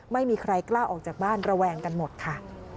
ไม่มีใครกล้าออกจากบ้านระแวงกันหมดค่ะ